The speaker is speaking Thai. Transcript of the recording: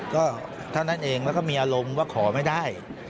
ก็เท่านั้นเองแล้วก็มีอารมณ์ว่าขอไม่ได้